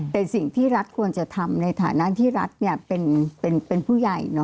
แต่สิ่งที่รัฐควรจะทำในฐานะที่รัฐเป็นผู้ใหญ่